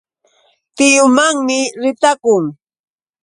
Tiyunmanmi ritakun.